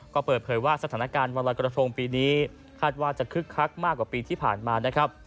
ก็เปิดเผยว่าสถานการณ์วันลอยกระทงปีนี้คาดว่าจะคึกคักมากกว่าปีที่ผ่านมานะครับ